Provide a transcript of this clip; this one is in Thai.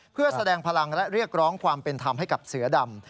เพื่อแสดงพลังและเรียกร้องความเป็นธรรมให้กับเสือดำ